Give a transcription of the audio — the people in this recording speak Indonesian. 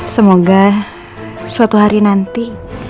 semoga suatu hari nanti